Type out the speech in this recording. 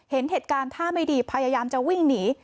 เห็นเหตุการณ์ท่าไม่ดีพยายามจะวิ่งหนี